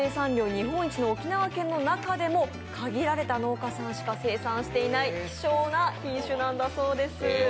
日本一の沖縄県の中でも、限られた農家さんしか生産していない希少な品種なんだそうです。